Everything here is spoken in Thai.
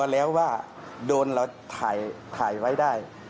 แล้วว่าโดนเราถ่ายไว้ได้